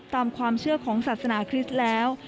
ตามความเชื่อของศาสนาคริสต์แล้ว